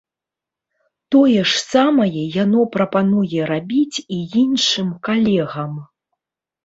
Тое ж самае яно прапануе рабіць і іншым калегам.